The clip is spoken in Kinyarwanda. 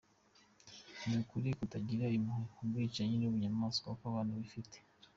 Ni uku kutagira impuhwe, ubwicanyi n’ubunyamaswa aba bantu bafite?